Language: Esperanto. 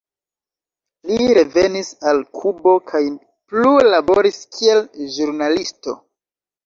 Li revenis al Kubo kaj plu laboris kiel ĵurnalisto.